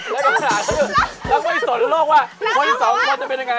แล้วพี่จะอาหารก็ดูแล้วก็ไม่สนโลกว่าคนอีกสองคนจะเป็นยังไง